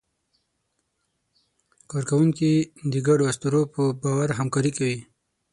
کارکوونکي د ګډو اسطورو په باور همکاري کوي.